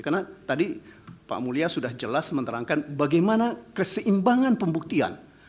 karena tadi pak mulya sudah jelas menerangkan bagaimana keseimbangan pembuktian